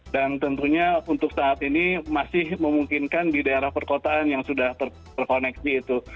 dan tentunya untuk saat ini masih memungkinkan di daerah perkotaan yang sudah terkoneksi itu